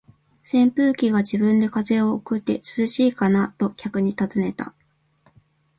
扇風機が自分で風を送って、「涼しいかな？」と客に尋ねた。